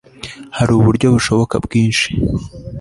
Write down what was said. hari uburyo bushoboka bwinshi